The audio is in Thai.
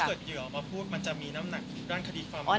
ลูกหลานสุดงอยเวียบมาพูดค่ะอาจจะมีน้ำหนักคราวด้านคณิตครีมบ้าง